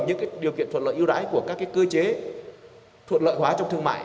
những điều kiện thuận lợi ưu đãi của các cơ chế thuận lợi hóa trong thương mại